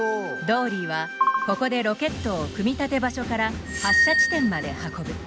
ドーリーはここでロケットを組み立て場所から発射地点まで運ぶ。